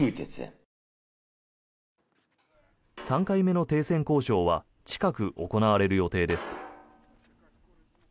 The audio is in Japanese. ３回目の停戦交渉は近く行われる予定です。